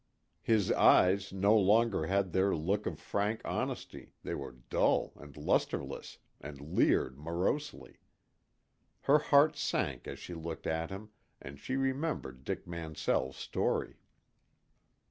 His eyes no longer had their look of frank honesty, they were dull and lustreless, and leered morosely. Her heart sank as she looked at him, and she remembered Dick Mansell's story.